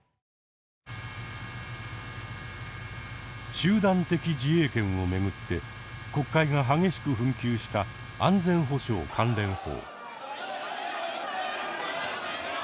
集団的自衛権を巡って国会が激しく紛糾した安全保障関連法。